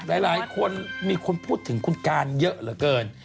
หลายคนมีคนพูดถึงคุณการเยอะเหลือเกิน